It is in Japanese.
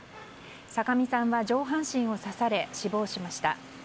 酒見さんは上半身を刺され死亡しました。